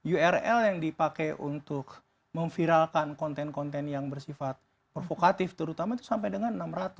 url yang dipakai untuk memviralkan konten konten yang bersifat provokatif terutama itu sampai dengan enam ratus